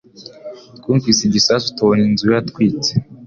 Twumvise igisasu tubona inzu yatwitse